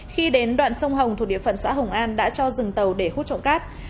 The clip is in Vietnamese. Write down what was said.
khi đến đoạn sông hồng thuộc địa phận xã hồng an đã cho dừng tàu để hút trộm cát